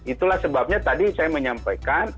itulah sebabnya tadi saya menyampaikan